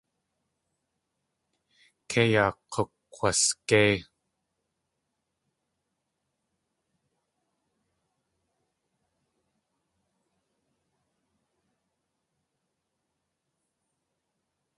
Kei yaa k̲ukg̲wasgéi.